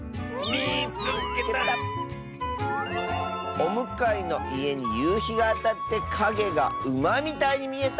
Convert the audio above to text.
「おむかいのいえにゆうひがあたってかげがうまみたいにみえた！」。